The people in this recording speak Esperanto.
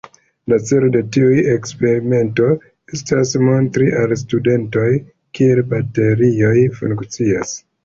La celo de tiu eksperimento estas montri al studantoj kiel baterioj funkcias.